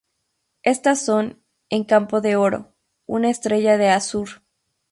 Estas son: en campo de oro, una estrella de azur.